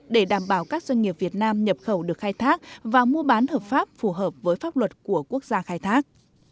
để đảm bảo các doanh nghiệp việt nam nhập khẩu được khai thác và mua bán hợp pháp phù hợp với pháp luật của quốc gia khai thác